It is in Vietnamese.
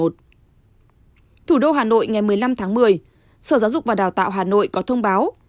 thủ đô hà nội ngày một mươi năm tháng một mươi sở giáo dục và đào tạo hà nội có thông báo